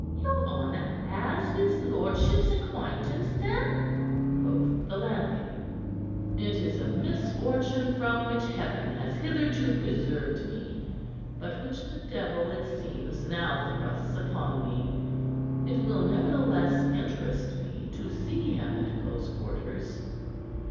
"Your honor has his lordship's acquaintance, then?" quoth the landlady. "It is a misfortune from which Heaven has hitherto preserved me, but which the devil, it seems, now thrusts upon me. It will, nevertheless, interest me to see him at close quarters.